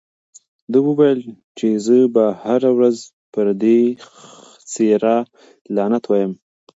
ده وویل چې زه به هره ورځ پر دې څېره لعنت وایم.